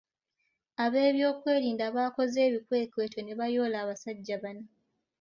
Ab’ebyokwerinda baakoze ebikwekweto ne bayoola abasajja bana.